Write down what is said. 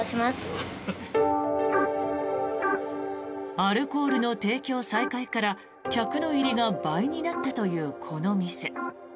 アルコールの提供再開から客の入りが倍になったというこの店。